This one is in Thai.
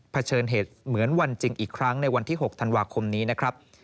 เฉินเหตุเหมือนวันจริงอีกครั้งในวันที่๖ธันวาคมนี้นะครับ